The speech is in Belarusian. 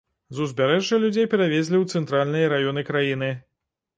З узбярэжжа людзей перавезлі ў цэнтральныя раёны краіны.